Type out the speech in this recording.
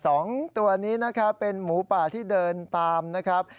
สองตัวนี้นะครับเป็นหมูป่าที่เดินตามนะครับ